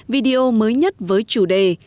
video mới nhất với chủ đề